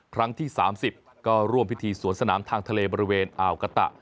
ครั้งที่๓๐ก็ร่วมพิธีสวนสนามทางทะเลบริเวณอ่าวกะตะ